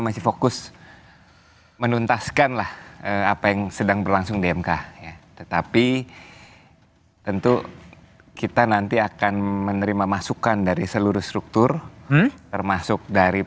masih ada angket masih ada mk